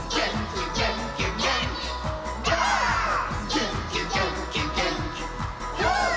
「げんきげんきげんきほー！」